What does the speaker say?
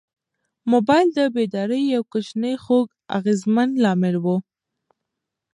موبایل د بیدارۍ یو کوچنی خو اغېزناک لامل و.